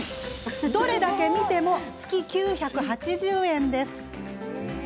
どれだけ見ても月９８０円です。